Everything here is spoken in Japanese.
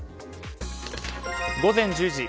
午前１０時。